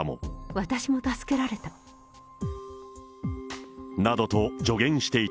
私も助けられた。